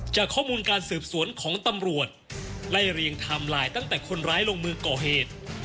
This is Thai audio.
จากข้อมูลการสืบสวนของตำรวจไล่เรียงไทม์ไลน์ตั้งแต่คนร้ายลงมือก่อเหตุ